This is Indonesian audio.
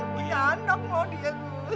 punya anak mau dia